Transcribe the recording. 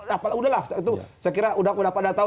apalah udahlah saya kira udah pada tahu